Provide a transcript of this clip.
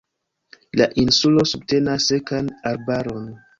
La insulo subtenas sekan arbaron.